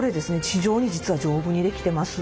非常に実は丈夫に出来てます。